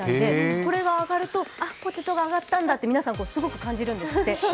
これがあがると、ポテトが揚がったんだってすごく感じるんですって。